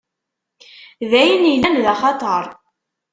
D ayen illan d axatar?